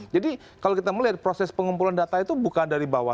jadi kalau kita melihat proses pengumpulan data itu bukan dari bawah